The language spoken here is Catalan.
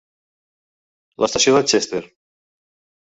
L'estació de Chester